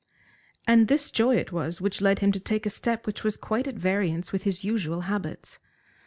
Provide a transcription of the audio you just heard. And this joy it was which led him to take a step which was quite at variance with his usual habits.